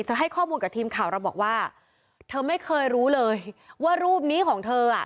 ให้ข้อมูลกับทีมข่าวเราบอกว่าเธอไม่เคยรู้เลยว่ารูปนี้ของเธออ่ะ